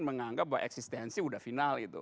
menganggap bahwa eksistensi udah final gitu